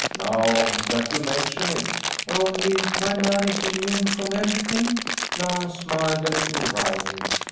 "Now that you mention it." "Only my man is immune from everything?" Lance smiled, a little wryly.